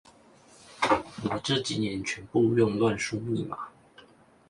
我這幾年全部用亂數密碼